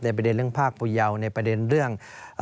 ในประเด็นนี้เรื่องพาขปุเยาในประเด็นเรื่อง